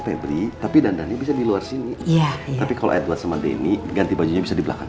febri tapi dandannya bisa di luar sini tapi kalau edward sama denny ganti bajunya bisa di belakang